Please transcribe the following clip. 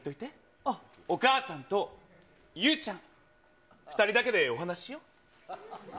お母さんとゆうちゃん、２人だけでお話しよ？